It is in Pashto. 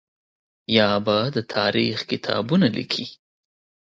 یا به د تاریخ کتابونه لیکي.